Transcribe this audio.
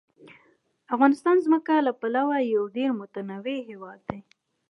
افغانستان د ځمکه له پلوه یو ډېر متنوع هېواد دی.